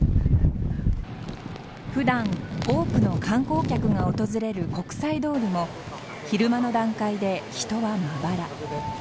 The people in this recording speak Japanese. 普段、多くの観光客が訪れる国際通りも昼間の段階で人はまばら。